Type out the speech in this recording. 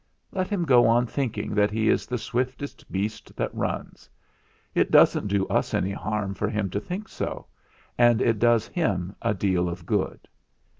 Let him go on thinking that he is the swiftest beast that runs. It doesn't do us any harm for him to think so, and it does him a deal of good.